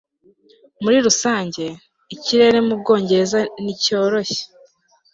muri rusange, ikirere mu bwongereza ni cyoroshye